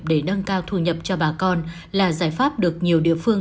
để nâng cao thu nhập cho bà con là giải pháp được nhiều địa phương